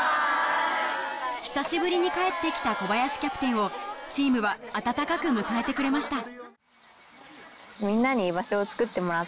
久しぶりに帰って来た小林キャプテンをチームは温かく迎えてくれました